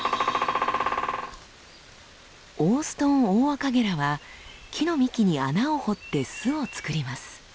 オーストンオオアカゲラは木の幹に穴を掘って巣を作ります。